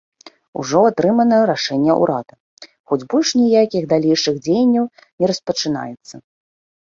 Ужо атрымана рашэнне ўрада, хоць больш ніякіх далейшых дзеянняў не распачынаецца.